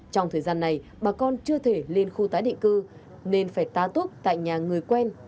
trong thời gian này bà con chưa thể lên khu tái định cư nên phải tá túc tại nhà người quen